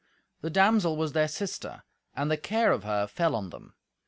The damsel was their sister, and the care of her fell on them.